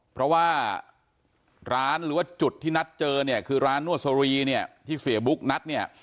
เพราะว่าร้านหรือว่าจุดที่นัดเจอเนี่ยคือร้านนวดสรีเนี่ยที่เสียบุ๊กนัดเนี่ย